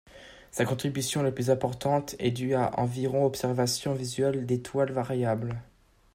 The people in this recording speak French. Sa contribution la plus importante est due à environ observations visuelles d'étoiles variables.